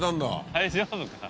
大丈夫か？